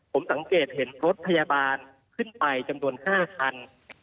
ผมสังเกตเห็นรถพยาบาลขึ้นไปจำนวน๕คัน